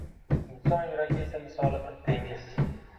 Inson yuragi esa misoli bir dengiz.